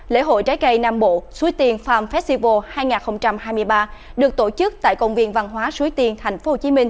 lễ hội trái cây nam bộ suối tiền farm festival hai nghìn hai mươi ba được tổ chức tại công viên văn hóa suối tiên tp hcm